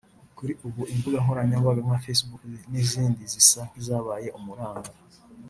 Kuri ubu imbuga nkoranyambaga nka Facebook n’izindi zisa nk’izabaye umuranga